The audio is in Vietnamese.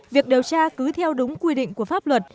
việc điều tra cứ theo đúng quy định của pháp luật